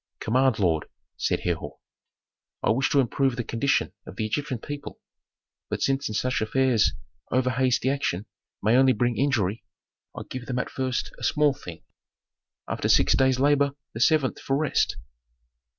"Command, lord," said Herhor. "I wish to improve the condition of the Egyptian people. But since in such affairs over hasty action may only bring injury, I give them at first a small thing: After six days' labor the seventh for rest."